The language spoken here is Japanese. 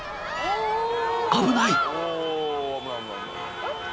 ［危ない］